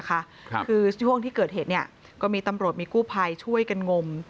คือช่วงที่เกิดเหตุก็มีตำรวจมีกู้ภัยช่วยกันงม